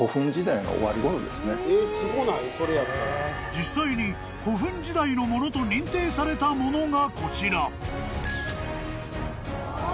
［実際に古墳時代のものと認定されたものがこちら］